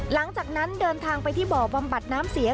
หลังจากนั้นเดินทางไปที่บ่อบำบัดน้ำเสีย